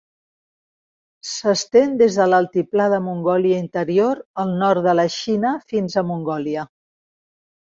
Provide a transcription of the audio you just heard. S'estén des de l'altiplà de Mongòlia Interior al nord de la Xina fins a Mongòlia.